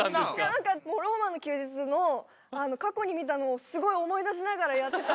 なんか『ローマの休日』の過去に見たのをスゴい思い出しながらやってたら。